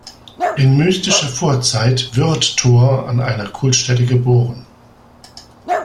In mythischer Vorzeit wird Thor an einer Kultstätte geboren.